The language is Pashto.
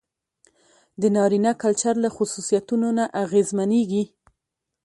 د نارينه کلچر له خصوصيتونو نه اغېزمنېږي.